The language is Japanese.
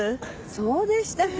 そうでしたか。